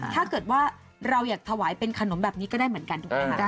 ถ้าเกิดว่าเราอยากถวายเป็นขนมแบบนี้ก็ได้เหมือนกันถูกไหมคะ